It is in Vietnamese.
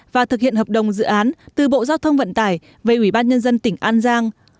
và thực hiện hợp đồng dự án từ bộ giao thông vận tải về ủy ban nhân dân tỉnh an giang